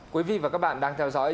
quý vị và các bạn đang theo dõi